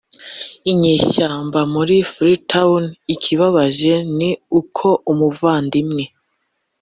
inyeshyamba muri freetown ikibabaje ni uko umuvandimwe